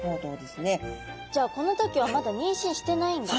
じゃあこの時はまだ妊娠してないんだ。